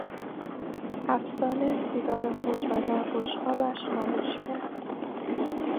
افسانه سیگار خود را در بشقابش خاموش کرد.